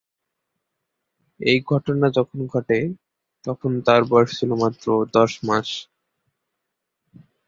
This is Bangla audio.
এই ঘটনা যখন ঘটে তখন তার বয়স ছিল মাত্র দশ মাস।